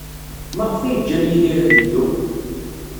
Maɣef ay ǧǧan Yidir ad yeddu?